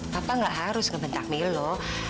papa gak harus ngebentak milo